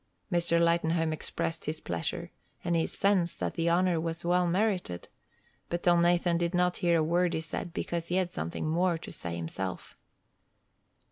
Mr. Lightenhome expressed his pleasure, and his sense that the honor was well merited, but Elnathan did not hear a word he said, because he had something more to say himself.